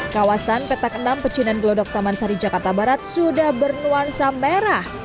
kawasan petak enam pecinan gelodok taman sari jakarta barat sudah bernuansa merah